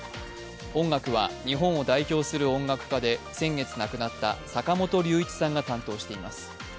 音楽は、日本を代表する音楽家で先月亡くなった坂本龍一さんが担当しています。